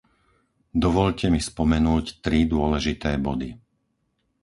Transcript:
Dovoľte mi spomenúť tri dôležité body.